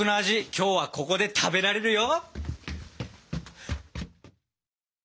今日はここで食べられるよ。